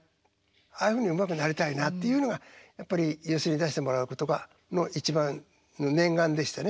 あいうふうにうまくなりたいなっていうのがやっぱり寄席に出してもらうことが一番の念願でしたね。